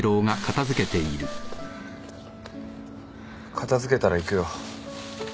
片付けたら行くよ。